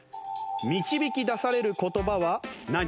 導き出される言葉は何？